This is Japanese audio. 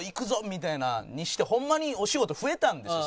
みたいなのにしてホンマにお仕事増えたんですよ